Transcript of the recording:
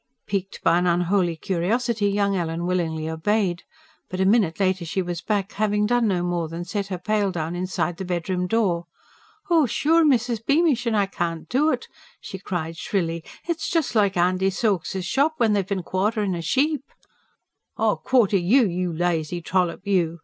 Piqued by an unholy curiosity young Ellen willingly obeyed. But a minute later she was back, having done no more than set her pail down inside the bedroom door. "Oh, sure, Mrs. Beamish, and I can't do't!" she cried shrilly. "It's jus' like Andy Soakes's shop ... when they've bin quarterin' a sheep." "I'll QUARTER you, you lazy trollop, you!"